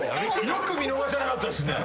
よく見逃さなかったっすね。